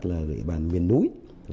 là địa bàn miền núi